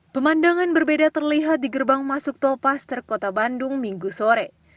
pemandangan berbeda terlihat di gerbang masuk tol pas terkota bandung minggu sore